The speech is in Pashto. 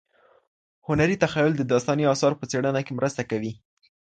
هنري تخیل د داستاني اثارو په څېړنه کي مرسته کوي.